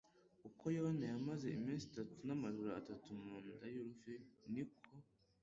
Uko Yona yamaze iminsi itatu n'amajoro atatu mu nda y'urufi niko